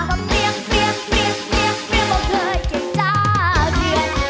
บำเนียกเนียกเนียกเนียกเนียกบ่เธอเก่งจ้าเวียด